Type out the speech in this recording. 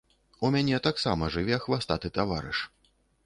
У мяне таксама жыве хвастаты таварыш.